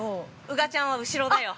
◆宇賀ちゃんは後ろだよ。